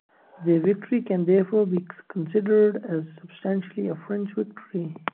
Their victory can therefore be considered as substantially a French victory.